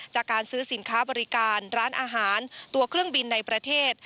จากการซื้อสินค้าบริการร้านอาหารตัวเครื่องบินในประเทศ